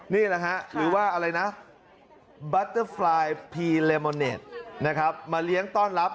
นี่แหละฮะหรือว่าอะไรนะมาเลี้ยงต้อนรับ